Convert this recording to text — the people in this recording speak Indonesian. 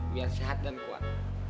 biar sehat dan kuat